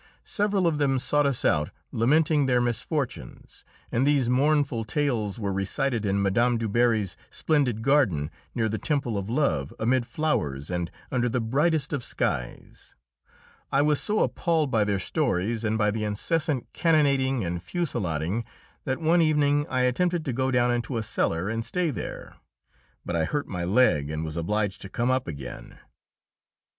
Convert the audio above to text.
Several of them sought us out, lamenting their misfortunes, and these mournful tales were recited in Mme. Du Barry's splendid garden, near the "Temple of Love," amid flowers and under the brightest of skies! I was so appalled by their stories and by the incessant cannonading and fusillading that one evening I attempted to go down into a cellar and stay there. But I hurt my leg, and was obliged to come up again.